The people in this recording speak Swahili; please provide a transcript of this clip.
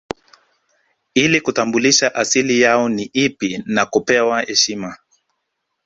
Ili kutambulisha asili yao ni ipi na kupewa heshima